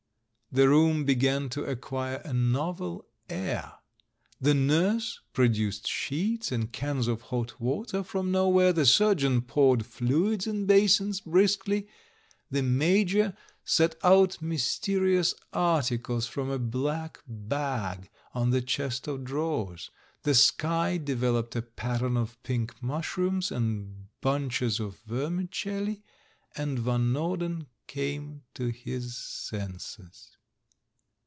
The room began to acquire a novel air. The nurse produced sheets and cans of hot water from nowhere; the surgeon poured fluids in basins briskly. The INIajor set out mysterious articles from a black bag on the chest of drawers. The sky developed a pattern of pink mushrooms and bunches of vermicelli — and Van Norden came to his senses.